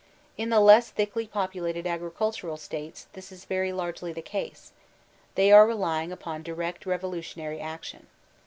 In the less thickly populated agricultural states, ikis is very largely the case ; they are relying upon direct revolutionary action.